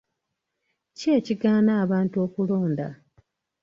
Ki ekigaana abantu okulonda?